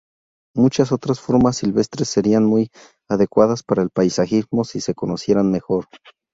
Muchas otras formas silvestres serían muy adecuadas para el paisajismo si se conocieran mejor.